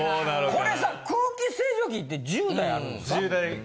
これさ空気清浄機って１０台あるんですか？